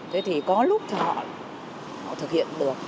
thế thì có lúc họ thực hiện được